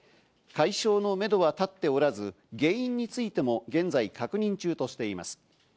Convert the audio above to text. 解消のめどは立っておらず、原因についても現在確認中としています。